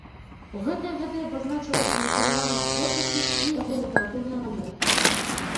У гэтыя гады абазначылася накіраванасць творчасці і яго літаратурная манера.